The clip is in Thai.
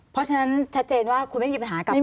เพราะฉะนั้นชัดเจนว่าคุณไม่มีปัญหากับใคร